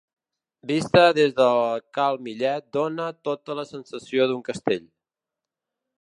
Vista des de cal Millet dóna tota la sensació d'un castell.